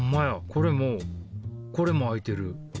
これもこれも開いてる。